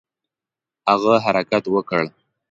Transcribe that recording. هغه حرکت وکړ.